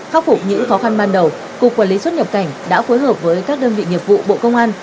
khắc phục những khó khăn ban đầu cục quản lý xuất nhập cảnh đã phối hợp với các đơn vị nghiệp vụ bộ công an